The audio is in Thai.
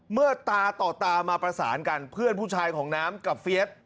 เมื่อตาต่อตามาประสานกันเพื่อนผู้ชายของน้ำกับเฟียส